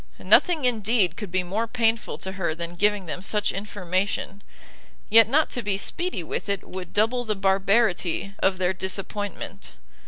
Nothing indeed could be more painful to her than giving them such information, yet not to be speedy with it would double the barbarity of their disappointment.